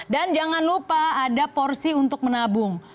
dan jangan lupa ada porsi untuk menabung